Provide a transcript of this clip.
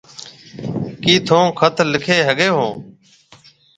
ڪِي ٿُون خط لکي هگھيَََ هيَ؟